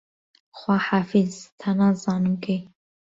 خواحافیز تا نازانم کەی